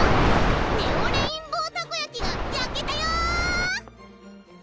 ネオ・レインボーたこ焼きが焼けたよ！